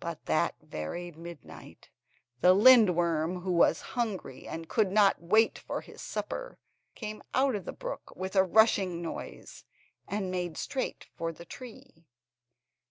But that very midnight the lindworm, who was hungry and could not wait for his supper, came out of the brook with a rushing noise, and made straight for the tree.